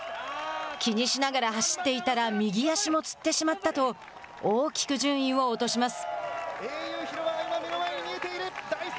気にしながら走っていたら右足もつってしまったと大きく順位を落とします。